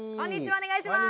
お願いします。